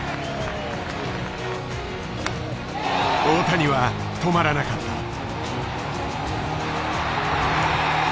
大谷は止まらなかった。